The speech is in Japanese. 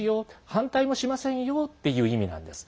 反対もしませんよっていう意味なんです。